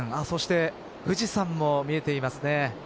そして富士山も見えていますね。